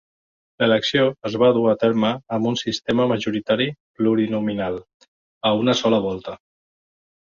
L'elecció es va dur a terme amb un sistema majoritari plurinominal a una sola volta.